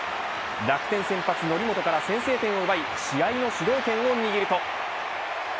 楽天先発、則本から先制点を奪い試合の主導権を握ると。